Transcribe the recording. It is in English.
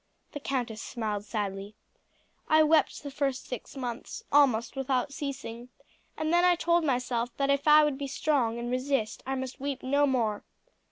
The countess smiled sadly. "I wept the first six months almost without ceasing, and then I told myself that if I would be strong and resist I must weep no more.